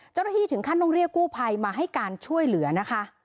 เจ้าหน้าที่ถึงขั้นต้องเรียกกู้ภัยมาให้การช่วยเหลือนะคะ